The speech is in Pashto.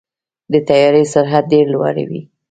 د طیارې سرعت ډېر لوړ وي.